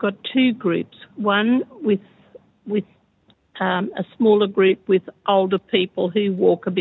dan dia berjalan kaki